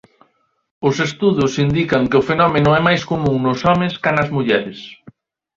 Os estudos indican que o fenómeno é máis común nos homes ca nas mulleres.